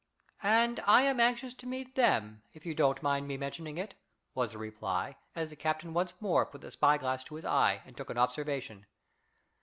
"And I am anxious to meet them, if you don't mind me mentioning it," was the reply, as the captain once more put the spyglass to his eye and took an observation.